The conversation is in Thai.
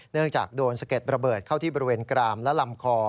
จากโดนสะเก็ดระเบิดเข้าที่บริเวณกรามและลำคอ